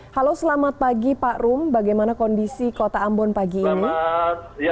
halo selamat pagi pak rum bagaimana kondisi kota ambon pagi ini